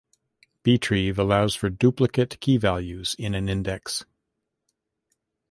Btrieve allows for duplicate key values in an index.